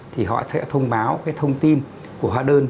thì họ sẽ thông báo cái thông tin của hóa đơn